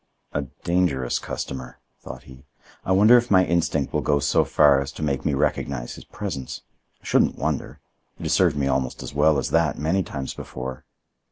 "A dangerous customer," thought he. "I wonder if my instinct will go so far as to make me recognize his presence. I shouldn't wonder. It has served me almost as well as that many times before."